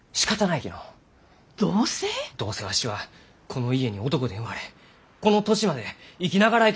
どうせわしはこの家に男で生まれこの年まで生き長らえてしもうた。